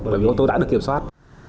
bởi vì ô tô đã được kiểm soát